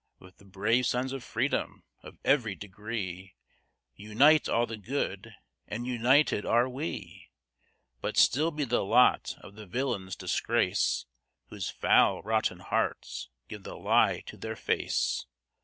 With the brave sons of Freedom, of every degree, Unite all the good and united are we: But still be the lot of the villains disgrace, Whose foul, rotten hearts give the lie to their face.